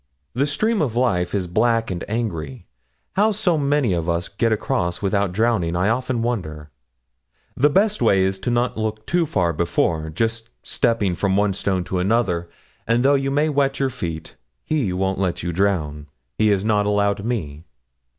The stream of life is black and angry; how so many of us get across without drowning, I often wonder. The best way is not to look too far before just from one stepping stone to another; and though you may wet your feet, He won't let you drown He has not allowed me.'